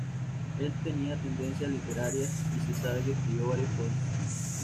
Él tenía tendencias literarias, y se sabe que escribió varios poemas.